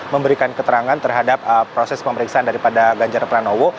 memberikan keterangan terhadap proses pemeriksaan daripada ganjar pranowo